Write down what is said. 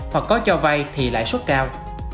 hoặc có cho vay thì lại suất cao